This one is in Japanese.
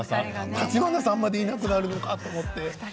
橘さんまでいなくなるのかと思って。